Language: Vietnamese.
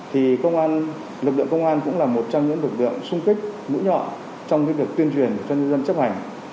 thì lực lượng công an cũng là một trong những lực lượng xung kích mũi nhọ trong việc tuyên truyền cho người dân chấp hành